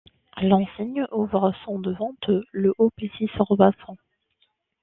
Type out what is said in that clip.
L'enseigne ouvre son de vente le au Plessis-Robinson.